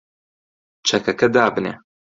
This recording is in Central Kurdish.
چەکەکە دابنێ!